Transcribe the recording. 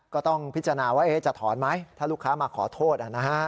ก็ต้องพิจารณาว่าจะถอนไหมถ้าลูกค้ามาขอโทษ